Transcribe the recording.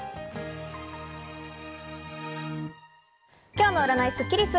今日の占いスッキリす。